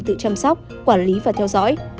tự chăm sóc quản lý và theo dõi